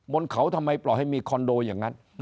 นเขาทำไมปล่อยให้มีคอนโดอย่างนั้น